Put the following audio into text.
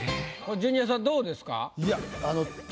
ジュニアさんどうですか？